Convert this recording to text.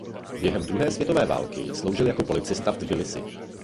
Během druhé světové války sloužil jako policista v Tbilisi.